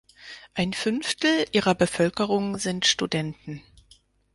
Ein Fünftel ihrer Bevölkerung sind Studenten.